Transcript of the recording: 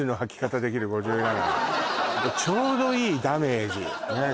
ちょうどいいダメージねえ